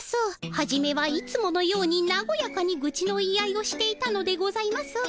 はじめはいつものようになごやかにぐちの言い合いをしていたのでございますが。